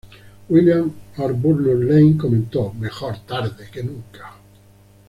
William Arbuthnot-Lane comentó: "Mejor tarde que nunca".